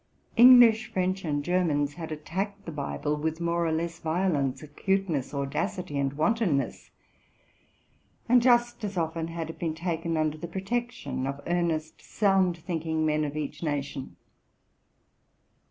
English, French, and Germans had attacked the Bible with more or less violence, acuteness, audacity, and wantonness ; and just as often had it been taken under the protection of earnest, sound thinking men of each nation.